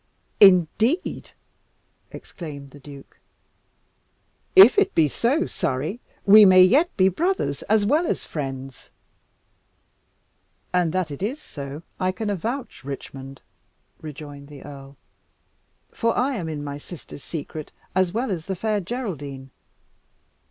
"Indeed!" exclaimed the duke. "If it be so, Surrey, we may yet be brothers as well as friends." "And that it is so I can avouch, Richmond," rejoined the earl, "for I am in my sister's secret as well as the Fair Geraldine.